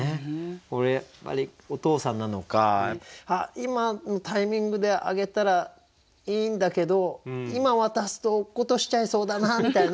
これやっぱりお父さんなのかあっ今のタイミングであげたらいいんだけど今渡すと落っことしちゃいそうだなみたいな。